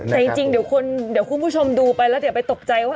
แต่จริงเดี๋ยวคุณผู้ชมดูไปแล้วเดี๋ยวไปตกใจว่า